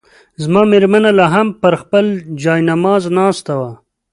زما مېرمنه لا هم پر خپل جاینماز ناسته وه.